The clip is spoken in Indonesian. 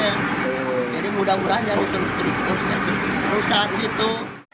jadi mudah mudahan ya terus terusnya terusan gitu